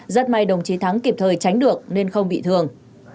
rất may đồng chí thắng kịp thời tránh được nên không bị thương